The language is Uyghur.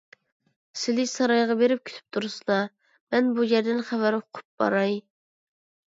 سىلى سارايغا بېرىپ كۈتۈپ تۇرسىلا، مەن بۇ يەردىن خەۋەر ئۇقۇپ باراي.